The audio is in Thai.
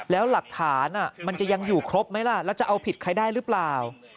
แล้วหลักฐานมันจะยังอยู่ครบไหมล่ะแล้วจะเอาผิดใครได้หรือเปล่า